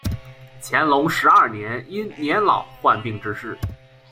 乾隆十二年因年老患病致仕。